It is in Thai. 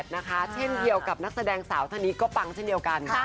นะคะเช่นเดียวกับนักแสดงสาวท่านนี้ก็ปังเช่นเดียวกัน